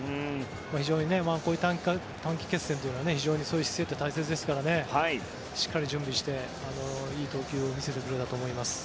非常にこういう短期決戦というのはそういう姿勢は大切ですからしっかり準備していい投球を見せてくれたと思います。